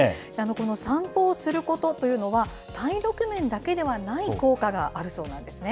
この散歩をすることというのは、体力面だけではない効果があるそうなんですね。